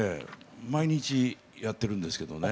毎日やってるんですけどね。